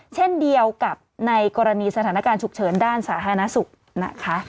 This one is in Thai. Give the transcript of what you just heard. เช่นเดียวกับในกรณีสถานการณ์ฉุกเฉินด้านสาธารณสุขนะคะ